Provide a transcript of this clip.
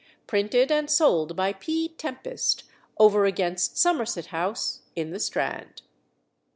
Printed and sold by P. Tempest, over against Somerset House, in the Strand."